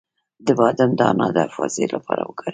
د بادام دانه د حافظې لپاره وکاروئ